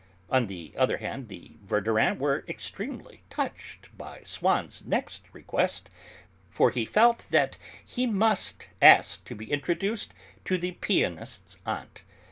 On the other hand the Verdurins were extremely touched by Swann's next request, for he felt that he must ask to be introduced to the pianist's aunt.